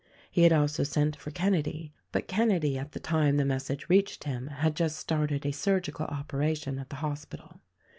He had also sent for Kenedy, but Kenedy at the time the message reached him had just started a surgical operation at the hospital.